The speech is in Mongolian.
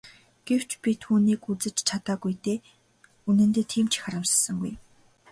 Гэвч би түүнийг үзэж чадаагүй дээ үнэндээ тийм ч их харамссангүй.